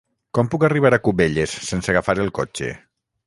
Com puc arribar a Cubelles sense agafar el cotxe?